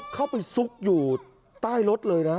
เข้าไปซุกอยู่ใต้รถเลยนะ